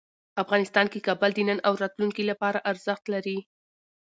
افغانستان کې کابل د نن او راتلونکي لپاره ارزښت لري.